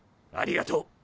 ありがとう。